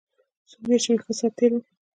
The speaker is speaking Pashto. څو مياشتې مې ښه ساعت تېر و.